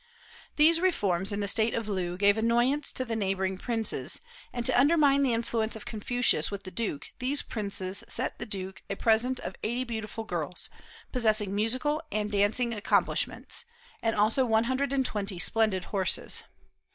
These reforms in the state of Loo gave annoyance to the neighboring princes; and to undermine the influence of Confucius with the duke, these princes sent the duke a present of eighty beautiful girls, possessing musical and dancing accomplishments, and also one hundred and twenty splendid horses.